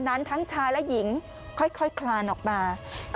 นั้นทั้งชายและหญิงค่อยคลานออกมา